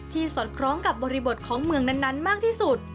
สอดคล้องกับบริบทของเมืองนั้นมากที่สุด